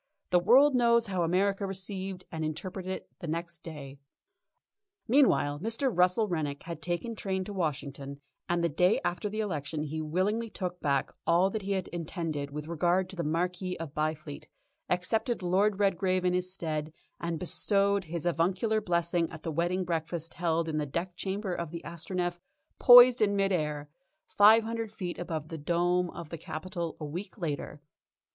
The world knows how America received and interpreted it the next day. Meanwhile Mr. Russell Rennick had taken train to Washington, and the day after the election he willingly took back all that he had intended with regard to the Marquis of Byfleet, accepted Lord Redgrave in his stead, and bestowed his avuncular blessing at the wedding breakfast held in the deck chamber of the Astronef poised in mid air, five hundred feet above the dome of the Capitol, a week later.